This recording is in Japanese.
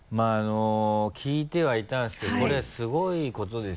聞いてはいたんですけどこれすごいことですよ。